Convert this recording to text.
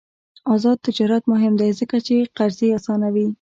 آزاد تجارت مهم دی ځکه چې قرضې اسانوي.